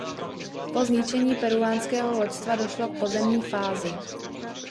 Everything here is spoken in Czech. Po zničení peruánského loďstva došlo k pozemní fázi.